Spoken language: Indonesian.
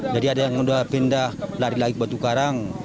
jadi ada yang sudah pindah lari lagi ke batu karang